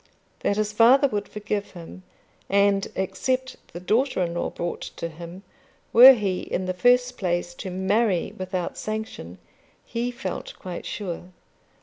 That his father would forgive him and accept the daughter in law brought to him, were he in the first place to marry without sanction, he felt quite sure.